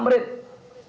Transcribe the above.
dari jumat ke jumat